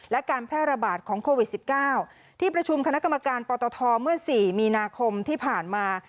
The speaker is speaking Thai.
และการแพร่ระบาดของโควิด๑๙ที่ประชุมคณะกรรมการปตทเมื่อ๔มีนาคมที่ผ่านมา